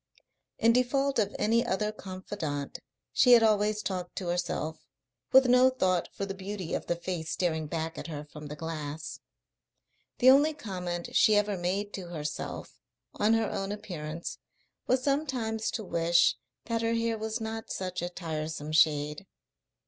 In default of any other confidant she had always talked to herself, with no thought for the beauty of the face staring back at her from the glass. The only comment she ever made to herself on her own appearance was sometimes to wish that her hair was not such a tiresome shade.